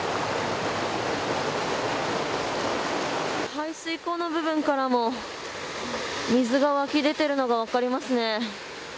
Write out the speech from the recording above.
排水溝の部分からも水が湧き出ているのが分かりますね。